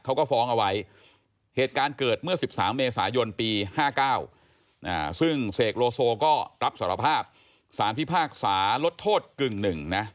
เขาก็ฟ้องเอาไว้เหตุการณ์เกิดเมื่อ๑๓เมษายนปี๕๙ซึ่งเสกโลโซก็รับสารภาพสารพิพากษาลดโทษกึ่งหนึ่งนะ